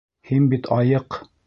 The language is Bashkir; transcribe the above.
Һин бит айыҡ.